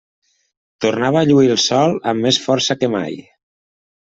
Tornava a lluir el sol amb més força que mai.